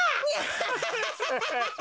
ハハハハ。